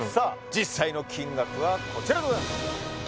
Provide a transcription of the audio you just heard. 実際の金額はこちらでございます